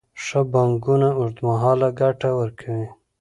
ښه پانګونه اوږدمهاله ګټه ورکوي.